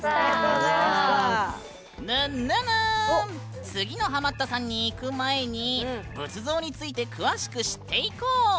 ぬっぬぬーん次のハマったさんにいく前に仏像について詳しく知っていこう！